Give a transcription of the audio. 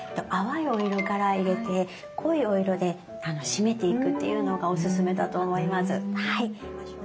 淡いお色から入れて濃いお色で締めていくっていうのがおすすめだと思います。